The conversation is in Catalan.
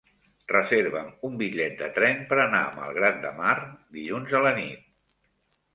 Reserva'm un bitllet de tren per anar a Malgrat de Mar dilluns a la nit.